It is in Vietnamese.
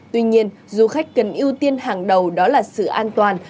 tuy nhiên du khách cần ưu tiên hàng đầu đó là sự an toàn